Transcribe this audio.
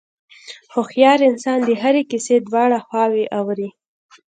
هوښیار انسان د هرې کیسې دواړه خواوې اوري.